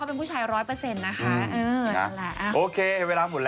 ไม่ใช่พี่เดี๋ยวก่อน